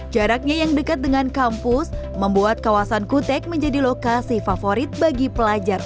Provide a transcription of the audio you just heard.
jaraknya yang dekat dengan kampus membuat kawasan kutek menjadi lokasi favorit bagi pelajar